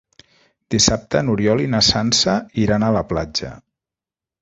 Dissabte n'Oriol i na Sança iran a la platja.